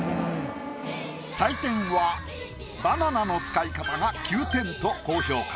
採点はバナナの使い方が９点と高評価。